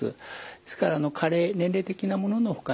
ですから加齢年齢的なもののほかにですね